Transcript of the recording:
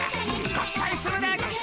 合体するでゴンス。